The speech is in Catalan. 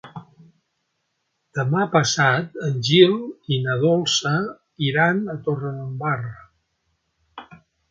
Demà passat en Gil i na Dolça iran a Torredembarra.